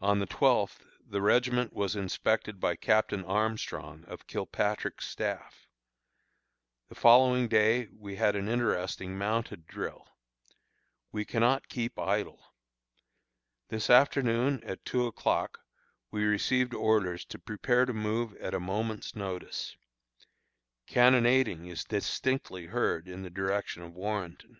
On the twelfth the regiment was inspected by Captain Armstrong, of Kilpatrick's staff. The following day we had an interesting mounted drill. We cannot keep idle. This afternoon, at two o'clock, we received orders to prepare to move at a moment's notice. Cannonading is distinctly heard in the direction of Warrenton.